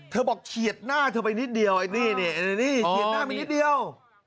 บอกเฉียดหน้าเธอไปนิดเดียวไอ้นี่เฉียดหน้ามานิดเดียว